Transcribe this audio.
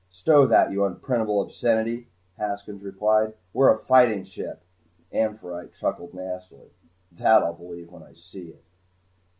"Stow that, you unprintable obscenity," Haskins replied. "We're a fighting ship." "Amphitrite" chuckled nastily. "That I'll believe when I see it!"